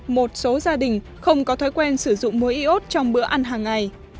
một số gia đình không có thói quen sử dụng mối y ốt trong bữa ăn hàng ngày